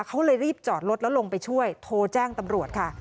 เขาเลยรีบจอดรถแล้วลงไปช่วยโทรแจ้งตำรวจค่ะ